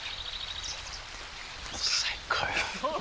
最高よ。